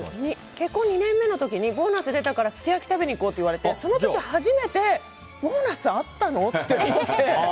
結婚２年目の時にボーナス出たから、すき焼き食べに行こうって言われてその時初めてボーナスあったの？って思って。